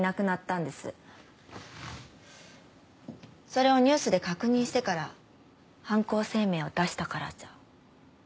それをニュースで確認してから犯行声明を出したからじゃ？